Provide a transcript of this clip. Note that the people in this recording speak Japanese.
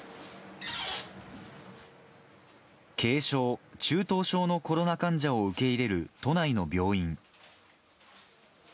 軽症、中等症のコロナ患者を受け入れる都内の病院。